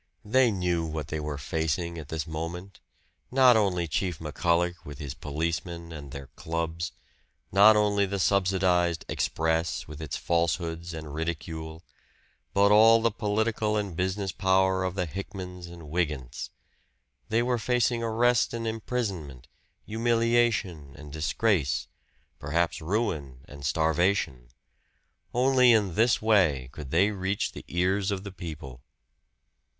They knew what they were facing at this moment; not only Chief McCullagh with his policemen and their clubs; not only the subsidized "Express" with its falsehoods and ridicule: but all the political and business power of the Hickmans and Wygants. They were facing arrest and imprisonment, humiliation and disgrace perhaps ruin and starvation. Only in this way could they reach the ears of the people.